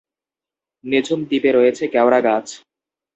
নিঝুম দ্বীপে রয়েছে কেওড়া গাছ।